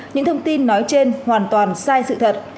những thông tin nói trên hoàn toàn sai sự thật